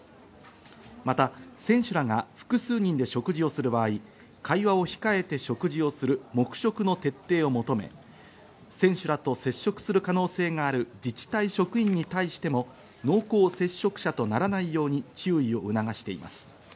また選手らが複数人で食事をする場合、会話を控えて食事をする黙食の徹底を求め、選手らと接触する可能性がある自治体職員に対しても、濃厚接触者とならないように注意を促しています。